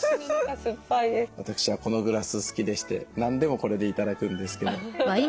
私はこのグラス好きでして何でもこれで頂くんですけど。